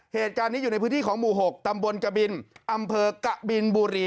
เหตุการณ์นี้อยู่ในพื้นที่ของหมู่๖ตำบลกบินอำเภอกะบินบุรี